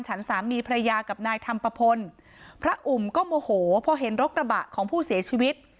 ฉันสามีภรรยากับนายธรรมปะพลพระอุ่มก็โมโหพอเห็นรถกระบะของผู้เสียชีวิต